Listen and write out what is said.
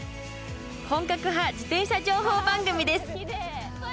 本格派自転車情報番組です。